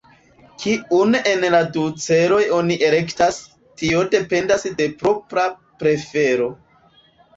Kiun el la du celoj oni elektas, tio dependas de propra prefero.